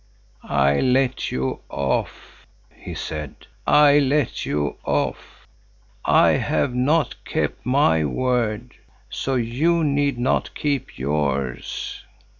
"I let you off," he said, "I let you off. I have not kept my word, so you need not keep yours."